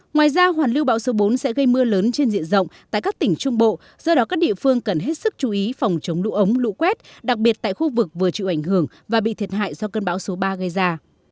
ngoài ra hoàn lưu bão số bốn sẽ gây mưa lớn trên diện rộng tại các tỉnh trung bộ do đó các địa phương cần hết sức chú ý phòng chống lũ ống lũ quét đặc biệt tại khu vực vừa chịu ảnh hưởng và bị thiệt hại do cơn bão số ba gây ra